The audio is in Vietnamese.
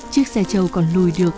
chiếc xe trâu còn lùi được